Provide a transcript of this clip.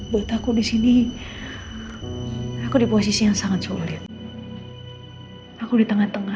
buat aku disini aku diposisi yang sangat sulit aku di tengah tengah